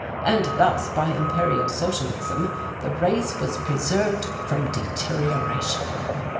And thus by Imperial Socialism the race was preserved from deterioriation."